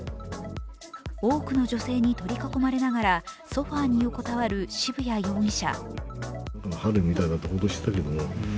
多くの女性に取り囲まれながらソファーに横たわる渋谷容疑者。